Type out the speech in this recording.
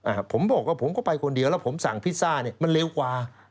อ่าผมบอกว่าผมก็ไปคนเดียวแล้วผมสั่งพิซซ่าเนี้ยมันเร็วกว่า